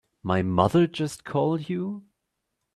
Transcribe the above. My mother just called you?